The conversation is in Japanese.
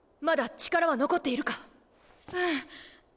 まだ力は残っているか？